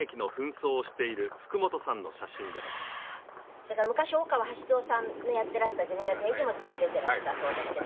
それから昔大川橋蔵さんのやってらした『銭形平次』もずっと出てらしたそうですけど。